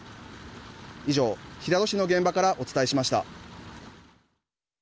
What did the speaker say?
以上平戸市の現場からお伝えしました。